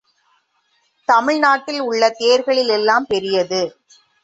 தமிழ் நாட்டில் உள்ள தேர்களில் எல்லாம் பெரியது.